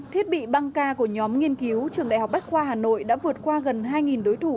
thiết bị băng k của nhóm nghiên cứu trường đại học bách khoa hà nội đã vượt qua gần hai đối thủ